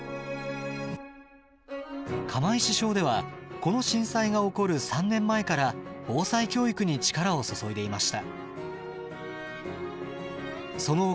釜石小ではこの震災が起こる３年前から防災教育に力を注いでいました。